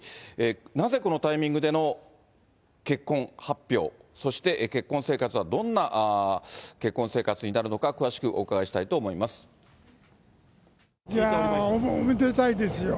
なぜこのタイミングでの結婚発表、そして結婚生活はどんな結婚生活になるのか、いやー、おめでたいですよ。